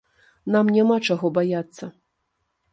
Нам няма чаго баяцца.